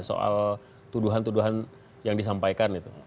soal tuduhan tuduhan yang disampaikan itu